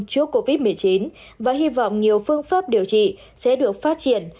trước covid một mươi chín và hy vọng nhiều phương pháp điều trị sẽ được phát triển